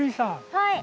はい。